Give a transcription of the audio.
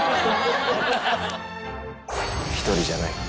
一人じゃない。